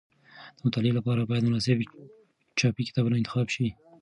د مطالعې لپاره باید مناسب چاپي کتابونه انتخاب شي.